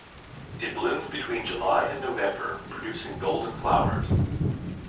It blooms between July and November producing golden flowers.